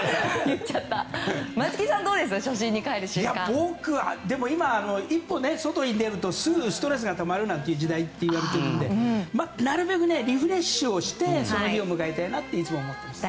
僕は、今、一歩外に出るとすぐストレスがたまる時代っていわれているのでなるべくリフレッシュをしてその日を迎えたいなといつも思っています。